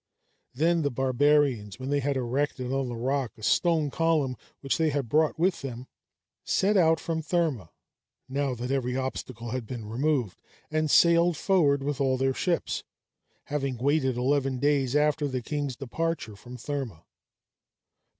Then the barbarians, when they had erected on the rock a stone column, which they had brought with them, set out from Therma, now that every obstacle had been removed, and sailed forward with all their ships, having waited eleven days after the king's departure from Therma.